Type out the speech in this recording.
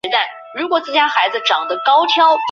散花龙船花为茜草科龙船花属下的一个种。